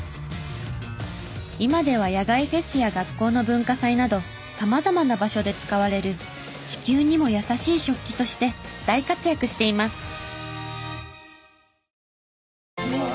今では野外フェスや学校の文化祭など様々な場所で使われる「地球にも優しい食器」として大活躍しています。